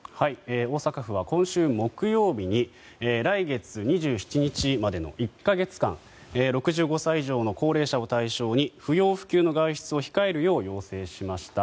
大阪府は今週木曜日に来月２７日までの１か月間６５歳以上の高齢者を対象に不要不急の外出を控えるよう要請しました。